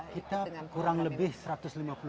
kita kurang lebih satu ratus lima puluh